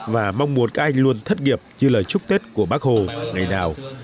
và mong muốn các anh luôn thất nghiệp như lời chúc tết của bác hồ ngày nào